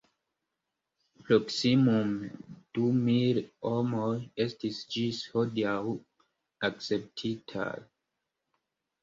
Proksimume du mil homoj estis ĝis hodiaŭ akceptitaj.